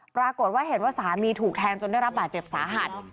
ปรากฏว่าเห็นว่าสามีถูกแทงจนได้รับบาดเจ็บสาหัส